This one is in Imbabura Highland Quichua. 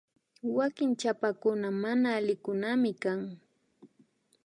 Wanki chapakuna mana alikunaminkan